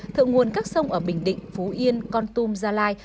thượng nguồn các sông ở bình định phú yên con tum gia lai